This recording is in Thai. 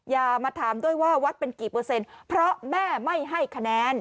อย่ามาถามด้วยว่าวัดเป็นกี่เปอร์เซ็นต์เพราะแม่ไม่ให้คะแนน